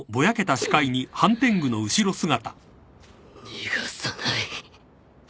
逃がさない。